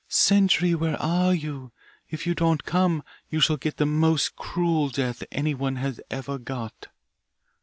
Sentry, where are you? If you don't come, you shall get the most cruel death anyone had ever got.